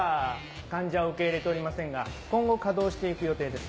患者を受け入れておりませんが今後稼働していく予定です。